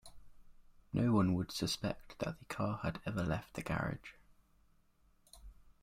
No one would suspect that the car had ever left the garage.